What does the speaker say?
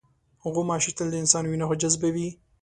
غوماشې تل د انسان وینه جذبوي.